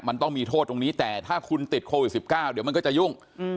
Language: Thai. มันต้องมีโทษตรงนี้แต่ถ้าคุณติดโควิด๑๙เดี๋ยวมันก็จะยุ่ง